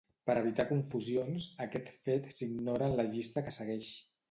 Per a evitar confusions, aquest fet s'ignora en la llista que segueix.